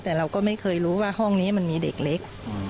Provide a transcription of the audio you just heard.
แต่เราก็ไม่เคยรู้ว่าห้องนี้มันมีเด็กเล็ก